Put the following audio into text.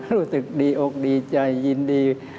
รู้สึกดีอกดีใจยินดี